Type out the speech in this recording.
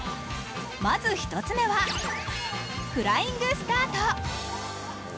まず１つ目は、フライングスタート。